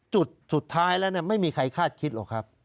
จุดสุดท้ายแล้วไม่มีใครคาดคิดหรอกครับ